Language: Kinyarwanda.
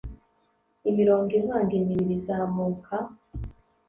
imirongo ivanga imibiri izamuka